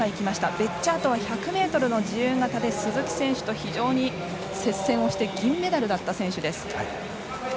ベッジャートは１００ｍの自由形で非常に接戦をして銀メダルだった選手です。